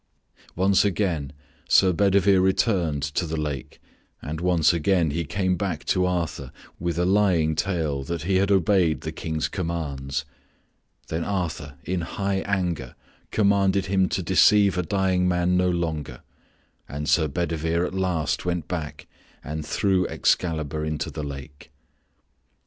Once again Sir Bedivere returned to the lake and once again he came back to Arthur with a lying tale that he had obeyed the King's commands. Then Arthur in high anger commanded him to deceive a dying man no longer and Sir Bedivere at last went back and threw Excalibur into the lake.